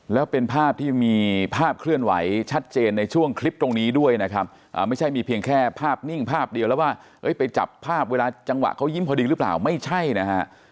แล้วเป็นภาพที่มีภาพเคลื่อนไหวชัดเจนในช่วงคลิปตรงนี้ด้วยนะครับไม่ใช่มีเพียงแค่ภาพนิ่งภาพเดียวแล้วว่าไปจับภาพเวลาจังหวะเขายิ้มพอดีหรือเปล่าไม่ใช่นะฮะ